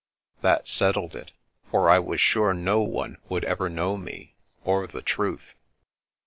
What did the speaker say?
That settled it, for I was sure no one would ever know me, or the truth.